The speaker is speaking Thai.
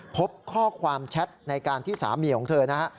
พบข้อความแชทในการที่สามีของเธอนะฮะ